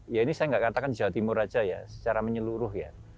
ya ini saya nggak katakan jawa timur saja ya secara menyeluruh ya